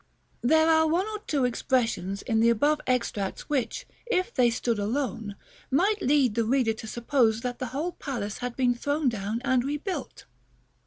§ XXIII. There are one or two expressions in the above extracts which, if they stood alone, might lead the reader to suppose that the whole palace had been thrown down and rebuilt.